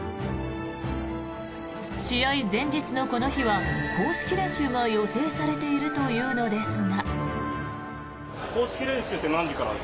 試合前日のこの日は公式練習が予定されているというのですが。